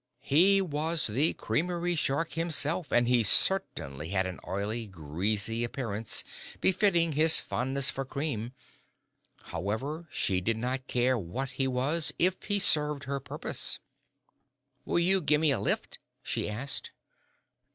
He was the creamery shark himself, and he certainly had an oily, greasy appearance befitting his fondness for cream. However, she did not care what he was if he served her purpose. "Will you gimme a lift?" she asked.